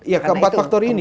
ya keempat faktor ini